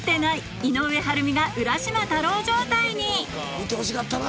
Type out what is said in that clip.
見てほしかったな